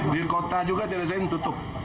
di kota juga tidak ada yang tutup